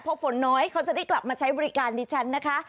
พอฝนน้อยเขาจะได้กลับมาใช้บริการดิฉันนะคะ